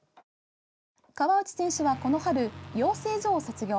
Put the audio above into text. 河内選手はこの春、養成所を卒業。